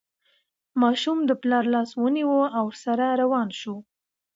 ماشوم د پلار لاس ونیو او ورسره روان شو.